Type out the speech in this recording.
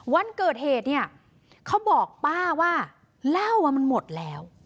วันเกิดเหตุเขาบอกป้าว่าเล่าว่ามันหมดแล้ว